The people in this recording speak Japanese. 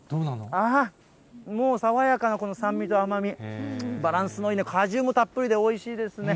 あー、もう爽やかなこの酸味と甘み、バランスのいい、果汁もたっぷりでおいしいですね。